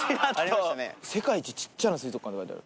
「世界一ちっちゃな水族館」って書いてある。